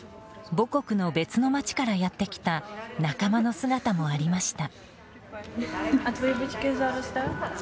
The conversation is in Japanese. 母国の別の街からやってきた仲間の姿もありました。